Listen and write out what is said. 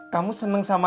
kamu seneng sama